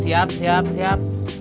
siap siap siap